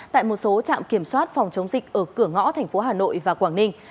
tại một số trạm kiểm soát phòng chống dịch ở cửa ngõ thành phố hà nội và quảng ninh